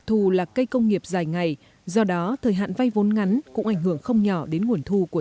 thù là cây công nghiệp dài ngày do đó thời hạn vay vốn ngắn cũng ảnh hưởng không nhỏ đến nguồn thu của